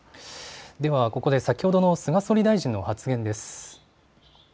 ここで先ほどの菅総理大臣の発言です。